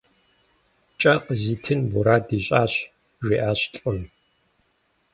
Кӏэ къызитын мурад ищӏащ, - жиӏащ лӏым.